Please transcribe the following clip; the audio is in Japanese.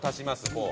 こう。